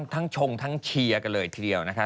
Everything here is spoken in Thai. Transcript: ชงทั้งเชียร์กันเลยทีเดียวนะคะ